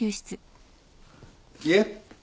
いえ。